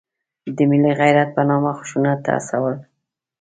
د ملي غیرت په نامه خشونت ته هڅول.